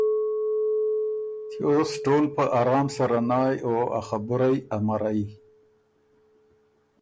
تیوس ټول په ارام سره نایٛ او ا خبُرئ امرئ۔